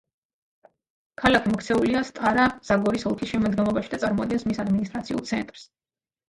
ქალაქი მოქცეულია სტარა-ზაგორის ოლქის შემადგენლობაში და წარმოადგენს მის ადმინისტრაციულ ცენტრს.